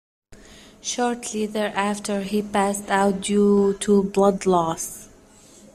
Shortly thereafter he passed out due to blood loss.